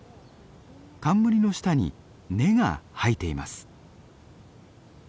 冠の下に根が生えています。